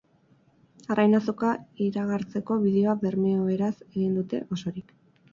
Arrain Azoka iragartzeko bideoa bermeoeraz egin dute osorik.